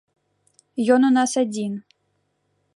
Ён у нас адзін.